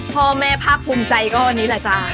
พ่อแม่ภาคภูมิใจก็วันนี้แหละจ๊ะ